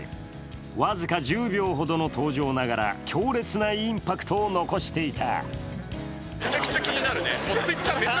僅か１０秒ほどの登場ながら強烈なインパクトを残していた。